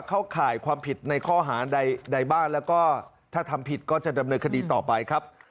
ข่ายความผิดในข้อหาใดบ้างแล้วก็ถ้าทำผิดก็จะดำเนินคดีต่อไปครับ